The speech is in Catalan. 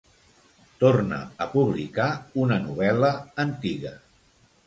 Torna a publicar una novel·la antiga.